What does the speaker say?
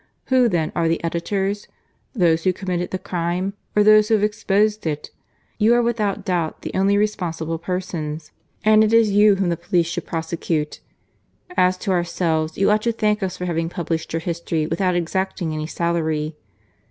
Who then are the editors? Those who committed the crime? or those who have exposed it? You are, without doubt, the only responsible persons, and it is you whom the police should prosecute. As to ourselves, you ought to thank us for having published your history without exacting any salary.